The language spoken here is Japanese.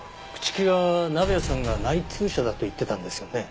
朽木は鍋谷さんが内通者だと言ってたんですよね？